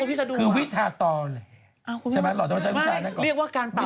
คุณพี่จะดูเหรอคุณพี่จะดูเหรอคุณพี่จะดูเหรอคุณพี่จะดูเหรอ